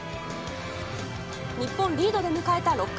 日本、リードで迎えた６回。